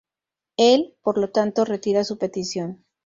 Él por lo tanto retira su petición.